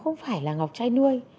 không phải là ngọc chay nuôi